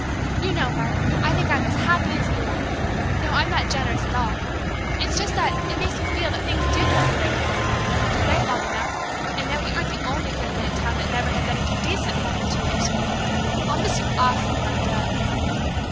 "You know, Mark, I think I'm as happy as you are no, I'm not generous at all! It's just that it makes me feel that things do come your way finally, if you wait long enough, and that we aren't the only family in town that never has anything decent happen to it!... I'll miss you awfully, Mark, darling!...